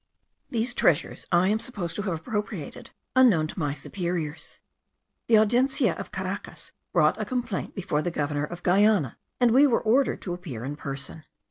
These treasures I am supposed to have appropriated unknown to my superiors. The Audencia of Caracas brought a complaint before the governor of Guiana, and we were ordered to appear in person.